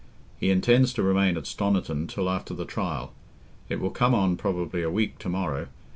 He intends to remain at Stoniton till after the trial: it will come on probably a week to morrow.